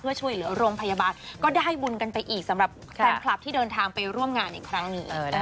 เพื่อช่วยเหลือโรงพยาบาลก็ได้บุญกันไปอีกสำหรับแฟนคลับที่เดินทางไปร่วมงานอีกครั้งหนึ่ง